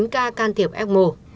chín ca can thiệp f một